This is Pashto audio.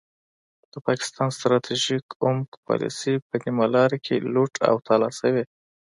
د پاکستان ستراتیژیک عمق پالیسي په نیمه لار کې لوټ او تالا شوې.